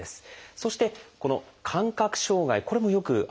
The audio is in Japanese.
そしてこの「感覚障害」これもよく現れる症状です。